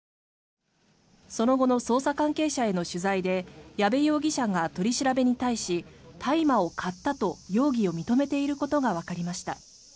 その後の捜査関係者への取材で矢部容疑者が、取り調べに対し大麻を買ったと容疑を認めていることがわかりました。